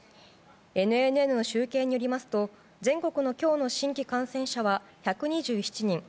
ＮＮＮの集計によりますと全国の今日の新規感染者は１２７人。